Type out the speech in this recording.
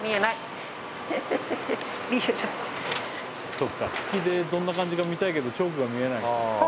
そっか引きでどんな感じか見たいけどチョークが見えない。